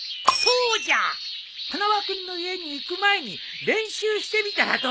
花輪君の家に行く前に練習してみたらどうじゃ？